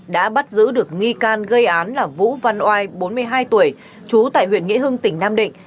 điều đáng nói là vũ văn oai bốn mươi hai tuổi chú tại huyện nghĩa hưng tỉnh nam định